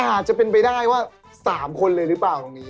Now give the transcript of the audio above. อาจจะเป็นไปได้ว่า๓คนเลยหรือเปล่าตรงนี้